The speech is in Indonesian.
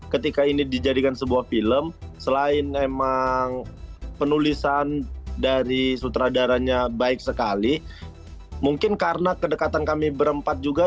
ketika ini dijadikan sebuah film selain memang penulisan dari sutradaranya baik sekali mungkin karena kedekatan kami berempat juga